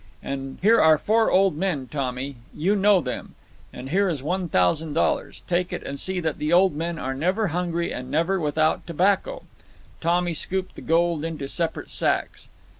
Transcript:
And here are four old men, Tommy. You know them. And here is one thousand dollars. Take it, and see that the old men are never hungry and never without tobacco." Tommy scooped the gold into separate sacks.